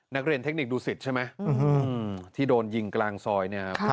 นักเรียนเทคนิคดูสิทธิ์ใช่ไหมที่โดนยิงกลางซอย